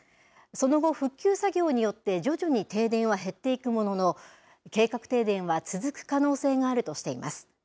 その後、復旧作業によって徐々に停電は減っていくものの、計画停電は続く可能性があるとしています。